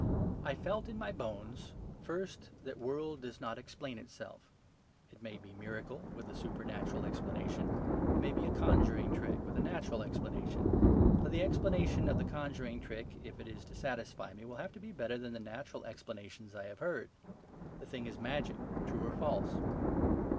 I felt in my bones; first, that this world does not explain itself. It may be a miracle with a supernatural explanation; it may be a conjuring trick, with a natural explanation. But the explanation of the conjuring trick, if it is to satisfy me, will have to be better than the natural explanations I have heard. The thing is magic, true or false.